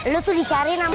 lu tuh dicariin namanya